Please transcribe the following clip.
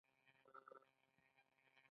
ایا ستاسو خبرتیا به را نه ځي؟